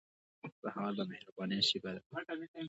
سهار د مهربانۍ شېبه ده.